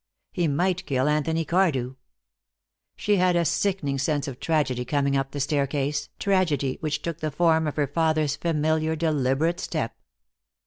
He might kill Anthony Cardew. She had a sickening sense of tragedy coming up the staircase, tragedy which took the form of her father's familiar deliberate step.